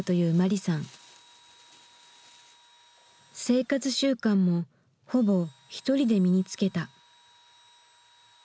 生活習慣もほぼひとりで身につけた。